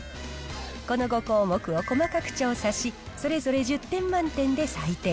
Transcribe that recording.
この５項目を細かく調査し、それぞれ１０点満点で採点。